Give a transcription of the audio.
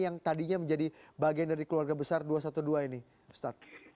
yang tadinya menjadi bagian dari keluarga besar dua ratus dua belas ini ustadz